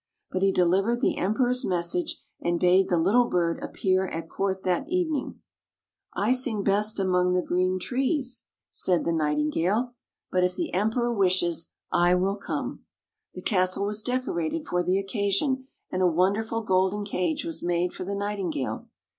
But he delivered the Emperor's message, and bade the little bird appear at court that evening. " I sing best among the green trees," said [ 43 ] FAVORITE FAIRY TALES RETOLD the Nightingale. " But if the Emperor wishes, I will come." The castle was decorated for the occasion, and a wonderful golden cage was made for the Nightingale.